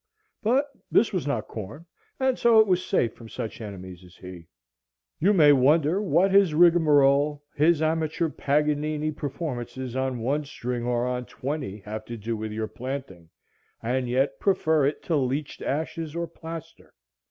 But this was not corn, and so it was safe from such enemies as he. You may wonder what his rigmarole, his amateur Paganini performances on one string or on twenty, have to do with your planting, and yet prefer it to leached ashes or plaster.